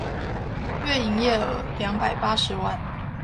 月營業額兩百八十萬